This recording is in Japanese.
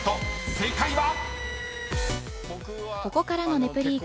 正解は⁉］